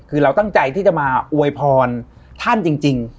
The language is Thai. คือเราตั้งใจที่จะมาอวยพรท่านจริง